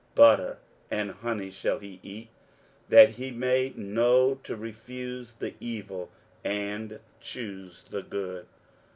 23:007:015 Butter and honey shall he eat, that he may know to refuse the evil, and choose the good.